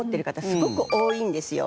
すごく多いんですよ。